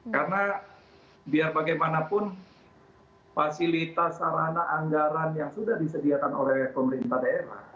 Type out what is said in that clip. karena biar bagaimanapun fasilitas sarana anggaran yang sudah disediakan oleh pemerintah daerah